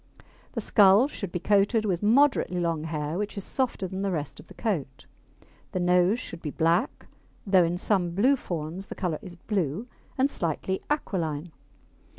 The skull should be coated with moderately long hair which is softer than the rest of the coat. The nose should be black (though in some blue fawns the colour is blue) and slightly aquiline.